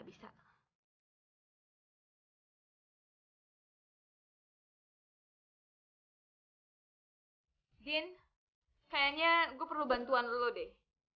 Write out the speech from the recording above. jin kayaknya gue perlu bantuan lo deh